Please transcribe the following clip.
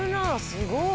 すごい。